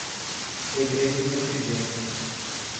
Segredos entre gênios